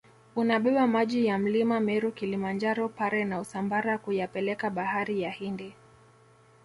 unabeba maji ya mlima meru Kilimanjaro pare na usambara kuyapeleka bahari ya hindi